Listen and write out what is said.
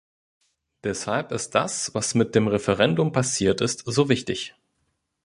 Deshalb ist das, was mit dem Referendum passiert ist, so wichtig.